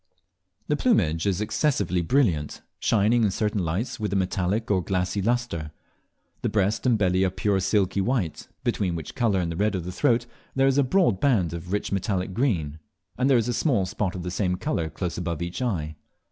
The plumage is excessively brilliant, shining in certain lights with a metallic or glassy lustre. The breast and belly are pure silky white, between which colour and the red of the throat there is a broad band of rich metallic green, and there is a small spot of the same colour close above each eye.